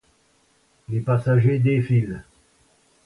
Les passagers défilent.